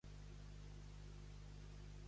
Gent de baixa mà.